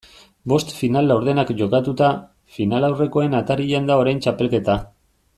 Bost final laurdenak jokatuta, finalaurrekoen atarian da orain txapelketa.